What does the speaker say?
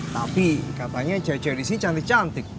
tapi katanya cewe cewe disini cantik cantik